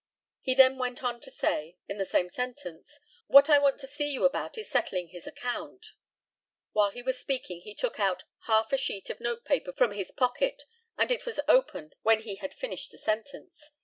He then went on to say, in the same sentence, "What I want to see you about is settling his account." While he was speaking he took out half a sheet of note paper from his pocket, and it was open when he had finished the sentence.